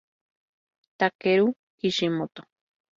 Takeru Kishimoto